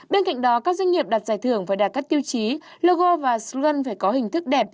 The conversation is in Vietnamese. bên cạnh đó các doanh nghiệp đạt giải thưởng phải đạt các tiêu chí logo và slogan phải có hình thức đẹp